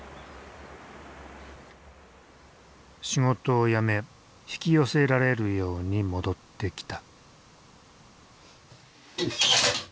仕事を辞め引き寄せられるように戻ってきた。